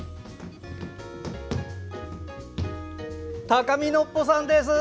高見のっぽさんです！